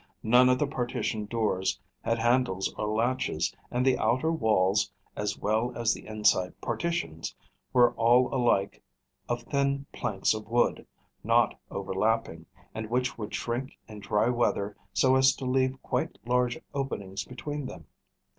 None of the partition doors had handles or latches, and the outer walls, as well as the inside partitions, were all alike of thin planks of wood, not overlapping, and which would shrink in dry weather so as to leave quite large openings between them.